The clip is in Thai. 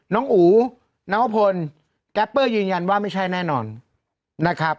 น้องอู๋น้องโอพลแก๊ปเปอร์ยืนยันว่าไม่ใช่แน่นอนนะครับ